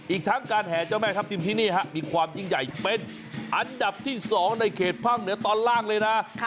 อีกทั้งการแห่เจ้าแม่ทัพทิมที่นี่มีความยิ่งใหญ่เป็นอันดับที่๒ในเขตภาคเหนือตอนล่างเลยนะ